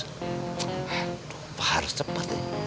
aduh harus cepat ya